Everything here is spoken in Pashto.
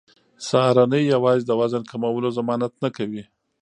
سهارنۍ یوازې د وزن کمولو ضمانت نه کوي.